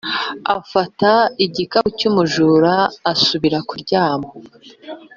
afata igikapu cy'umujura asubira kuryama.